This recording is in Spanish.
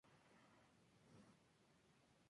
Florece en abril.